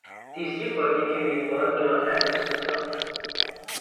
تیسری پارٹی کے امیدوار جان اینڈرسن تھا